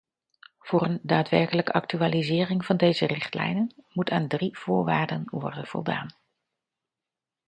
Voor een daadwerkelijke actualisering van deze richtlijnen moet aan drie voorwaarden worden voldaan.